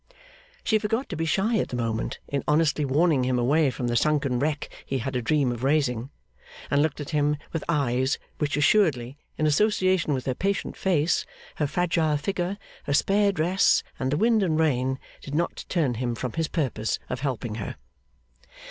She forgot to be shy at the moment, in honestly warning him away from the sunken wreck he had a dream of raising; and looked at him with eyes which assuredly, in association with her patient face, her fragile figure, her spare dress, and the wind and rain, did not turn him from his purpose of helping her.